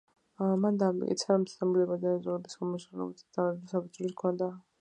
მან დაამტკიცა, რომ ცნობილი ბერძენი მწერლის, ჰომეროსის, პოემებს რეალური საფუძველი ჰქონდა.